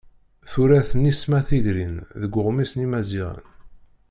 Tura-t Nisma Tigrin deg uɣmis n yimaziɣen.